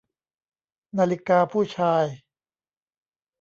นาฬิกาผู้ชาย